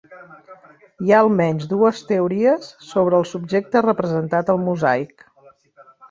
Hi ha almenys dues teories sobre el subjecte representat al mosaic.